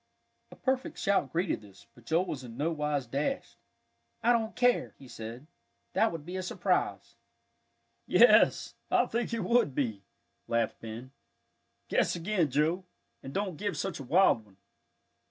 A perfect shout greeted this, but Joel was in no wise dashed. "I don't care," he said, "that would be a surprise." "Yes, I think it would be," laughed Ben. "Guess again, Joe, and don't give such a wild one."